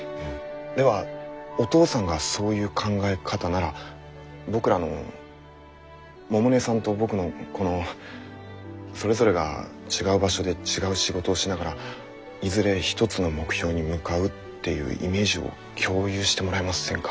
ではお父さんがそういう考え方なら僕らの百音さんと僕のこのそれぞれが違う場所で違う仕事をしながらいずれ一つの目標に向かうっていうイメージを共有してもらえませんか？